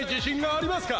あります！